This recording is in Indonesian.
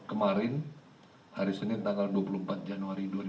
dimana tahap satunya itu tanggal delapan belas januari